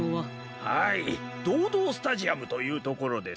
はいドードースタジアムというところです。